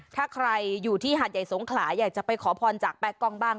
ถ้าใครอยู่ที่หาดใหญ่สงขลาอยากจะไปขอพรจากแป๊กล้องบ้าง